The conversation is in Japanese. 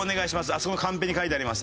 あそこのカンペに書いてあります。